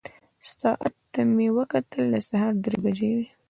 ساعت ته مې وکتل، د سهار درې بجې وې.